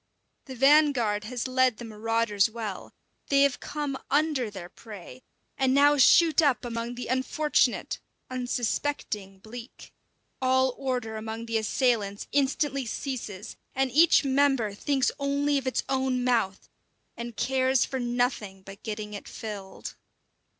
The vanguard has led the marauders well; they have come under their prey, and now shoot up among the unfortunate, unsuspecting bleak. All order among the assailants instantly ceases, and each member thinks only of its own mouth, and cares for nothing but getting it filled.